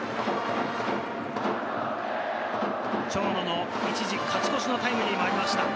長野の一時、勝ち越しのタイムリーもありました。